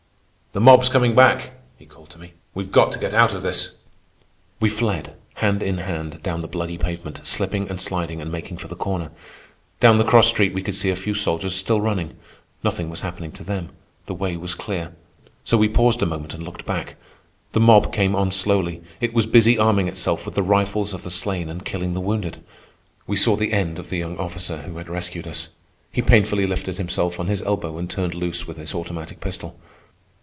"The mob's coming back!" he called to me. "We've got to get out of this!" We fled, hand in hand, down the bloody pavement, slipping and sliding, and making for the corner. Down the cross street we could see a few soldiers still running. Nothing was happening to them. The way was clear. So we paused a moment and looked back. The mob came on slowly. It was busy arming itself with the rifles of the slain and killing the wounded. We saw the end of the young officer who had rescued us. He painfully lifted himself on his elbow and turned loose with his automatic pistol.